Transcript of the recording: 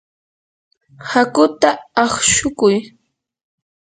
hakuta aqshukuy.